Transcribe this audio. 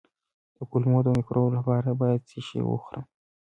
د کولمو د مکروب لپاره باید څه شی وخورم؟